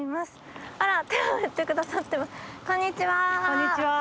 こんにちは。